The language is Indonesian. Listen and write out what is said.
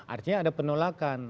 artinya ada penolakan